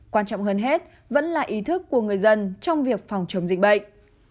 quan trọng hơn hết vẫn là ý thức của người dân trong việc phòng chống dịch bệnh